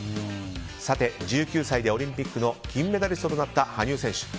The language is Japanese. さて、１９歳でオリンピックの金メダリストとなった羽生選手。